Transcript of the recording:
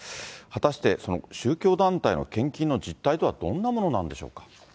果たしてその宗教団体の献金の実態とはどんなものなんでしょうか。